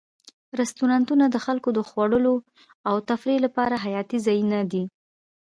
رستورانتونه د خلکو د خوړلو او تفریح لپاره حیاتي ځایونه دي.